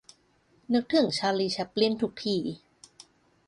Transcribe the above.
นึกถึง ชาลี แชปลิน ทุกที